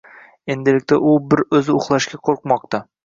endilikda u bir o‘zi uxlashga qo‘rqmoqda.